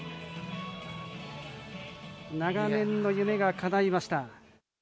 長年の夢が叶いました。